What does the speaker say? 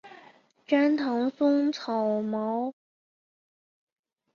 粘唐松草为毛茛科唐松草属下的一个种。